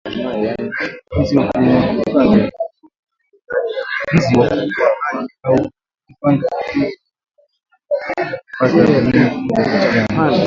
Nzi wa kuuma pange au vipanga na mbu wanaweza kupata viini kutoka kwa mnyama